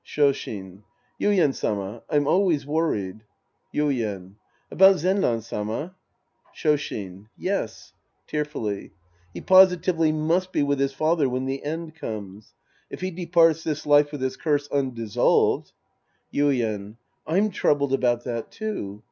Shoshin. Yuien Sama. I'm always worried. Yuien. About Zenran Sama ? SItdshin. Yes. {TeatfuUy.) He positively must be with his father when the end comes. If he departs this life with his curse undissolved — Yuien. I'm troubled about that, too.